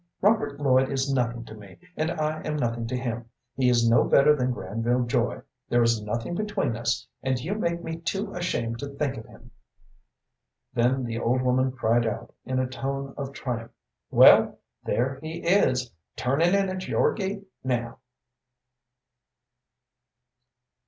Robert Lloyd is nothing to me, and I am nothing to him. He is no better than Granville Joy. There is nothing between us, and you make me too ashamed to think of him." Then the old woman cried out, in a tone of triumph, "Well, there he is, turnin' in at your gate now."